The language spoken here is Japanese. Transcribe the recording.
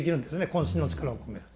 渾身の力を込めると。